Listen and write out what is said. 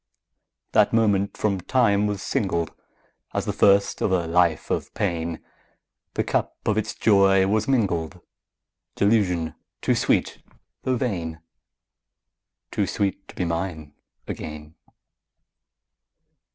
_10 3. That moment from time was singled As the first of a life of pain; The cup of its joy was mingled Delusion too sweet though vain! Too sweet to be mine again.